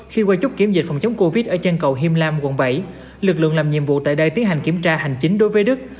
khi qua chốt kiểm dịch phòng chống covid ở chân cầu hiêm lam quận bảy lực lượng làm nhiệm vụ tại đây tiến hành kiểm tra hành chính đối với đức